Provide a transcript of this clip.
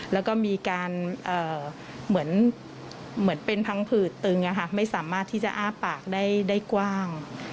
แล้วก็มีการเหมือนเป็นพังผืดตึงไม่สามารถที่จะอ้าปากได้กว้าง